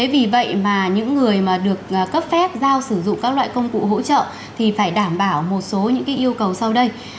vì vậy những người được cấp phép giao sử dụng các loại công cụ hỗ trợ phải đảm bảo một số yêu cầu sau đây